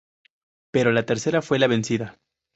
Pero la tercera fue la vencida.